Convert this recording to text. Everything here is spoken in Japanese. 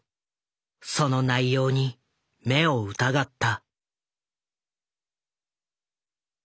その内容に目を疑った。